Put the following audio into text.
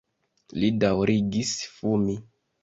Li daŭrigis fumi.